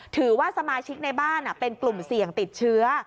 ถือว่าสมาชิกในบ้านเป็นกลุ่มเสี่ยงติดเชื้อ